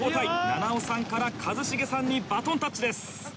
菜々緒さんから一茂さんにバトンタッチです。